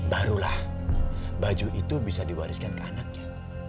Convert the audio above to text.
barulah baju itu bisa diwariskan ke anaknya